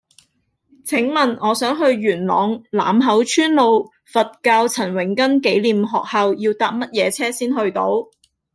請問我想去元朗欖口村路佛教陳榮根紀念學校要搭乜嘢車先去到